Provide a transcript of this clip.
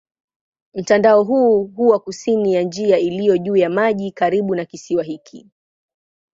Mtandao huu huwa kusini ya njia iliyo juu ya maji karibu na kisiwa hiki.